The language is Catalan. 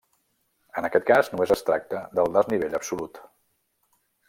En aquest cas, només es tracta del desnivell absolut.